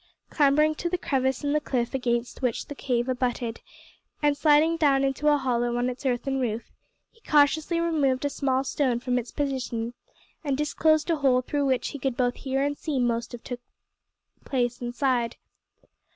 Clambering to the crevice in the cliff against which the cave abutted, and sliding down into a hollow on its earthen roof, he cautiously removed a small stone from its position, and disclosed a hole through which he could both hear and see most of what took place inside.